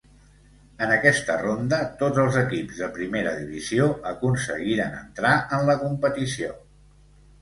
En aquesta ronda, tots els equips de Primera Divisió aconseguiren entrar en la competició.